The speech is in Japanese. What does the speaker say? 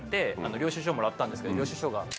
領収書もらったんですけど領収書が。